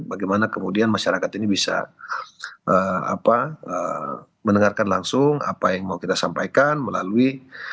bagaimana kemudian masyarakat ini bisa mendengarkan langsung apa yang mau kita sampaikan melalui